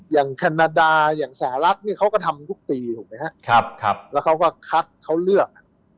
แคนาดาอย่างสหรัฐเนี่ยเขาก็ทำทุกปีถูกไหมครับแล้วเขาก็คัดเขาเลือก